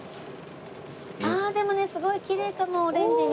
ああでもねすごいきれいかもオレンジに。